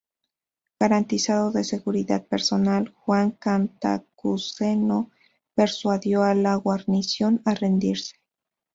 Garantizando su seguridad personal, Juan Cantacuceno persuadió a la guarnición a rendirse.